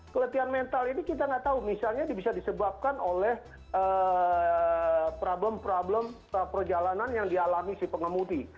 keletihan mental ini kita nggak tahu misalnya bisa disebabkan oleh problem problem perjalanan yang dialami si pengemudi